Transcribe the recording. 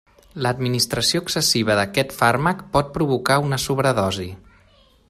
L'administració excessiva d'aquest fàrmac pot provocar una sobredosi.